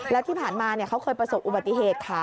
แล้วที่ผ่านมาเขาเคยประสบอุบัติเหตุค่ะ